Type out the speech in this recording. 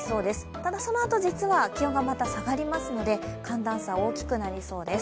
ただ、そのあと実は気温が下がりますので、寒暖差が大きくなりそうです。